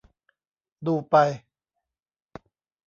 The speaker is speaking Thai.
ดูไป